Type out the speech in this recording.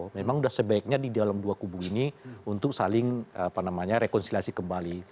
memang sudah sebaiknya di dalam dua kubu ini untuk saling rekonsiliasi kembali